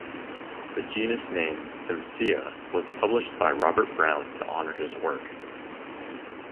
The genus name "Simsia" was published by Robert Brown to honour his work.